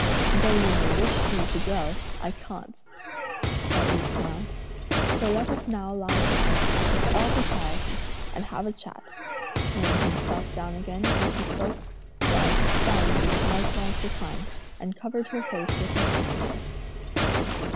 "Though you may wish me to go, I can't," Pao yü smiled, "so let us now lie down with all propriety and have a chat," laying himself down again, as he spoke, while Tai yü likewise reclined, and covered her face with her handkerchief.